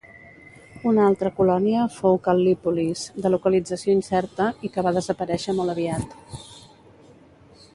Una altra colònia fou Cal·lípolis, de localització incerta, i que va desaparèixer molt aviat.